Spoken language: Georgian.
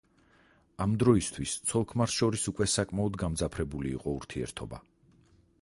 ამ დროისათვის ცოლ-ქმარს შორის უკვე საკმაოდ გამძაფრებული იყო ურთიერთობა.